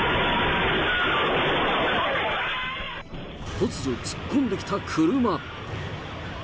突如突っ込んできた車。